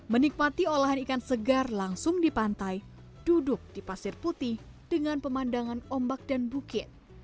menikmati olahan ikan segar langsung di pantai duduk di pasir putih dengan pemandangan ombak dan bukit